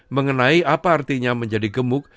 mengenai apa artinya menjadi gemuk